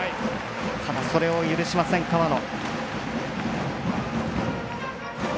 それを許しません、河野。